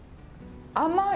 甘い。